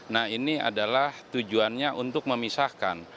nah ini adalah tujuannya untuk memisahkan